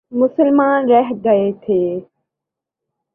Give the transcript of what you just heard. مسلمان رہ گئے تھے۔